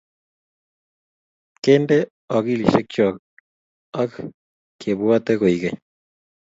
Kende ogilisiekcho ak kebwatate koigeny